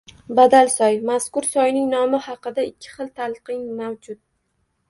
Badalsoy – mazkur soyning nomi haqida ikki xil talqin mavjud.